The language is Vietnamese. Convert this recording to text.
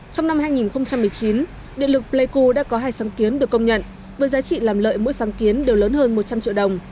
trong năm hai nghìn một mươi chín điện lực pleiku đã có hai sáng kiến được công nhận với giá trị làm lợi mỗi sáng kiến đều lớn hơn một trăm linh triệu đồng